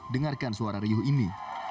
dengarkan suara riuh ini